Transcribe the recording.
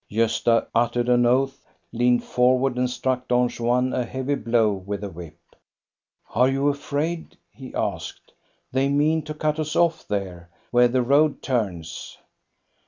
Gosta uttered an oath, leaned forward, and struck Don Juan a heavy blow with the whip. "Are you afraid?" he asked. "They mean to cut us off there, where the road turns."